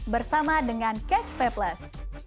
bersama dengan catch play plus